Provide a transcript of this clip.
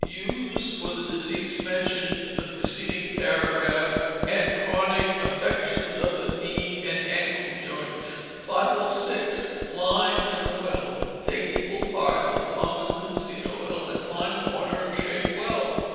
Use for the diseases mentioned in the preceding paragraph and chronic affections of the knee and ankle joints. 506. Lime and Oil. Take equal parts of common linseed oil and lime water and shake well.